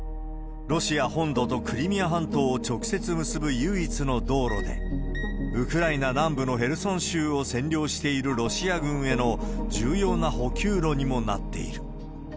ロシア本土とクリミア半島を直接結ぶ唯一の道路で、ウクライナ南部のヘルソン州を占領しているロシア軍への重要な補給路にもなっている。